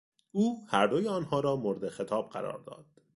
او هر دوی آنها را مورد خطاب قرار داد.